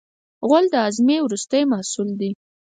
غول د هاضمې وروستی محصول دی.